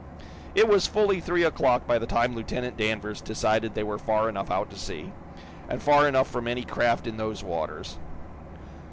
It was fully three o'clock by the time Lieutenant Danvers decided they were far enough out to sea, and far enough from any craft in those waters.